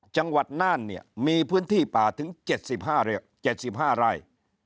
จังหวัดน่านเนี่ยมีพื้นที่ป่าถึง๗๕ไร่